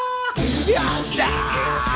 よっしゃ！